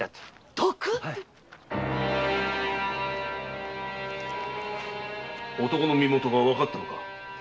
毒⁉男の身許がわかったのか？